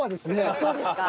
そうですか？